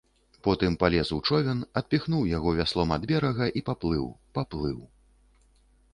Потым палез у човен, адпіхнуў яго вяслом ад берага і паплыў, паплыў.